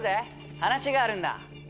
話があるんだ。